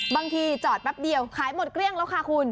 จอดแป๊บเดียวขายหมดเกลี้ยงแล้วค่ะคุณ